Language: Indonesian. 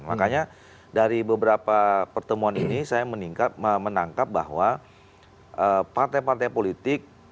makanya dari beberapa pertemuan ini saya menangkap bahwa partai partai politik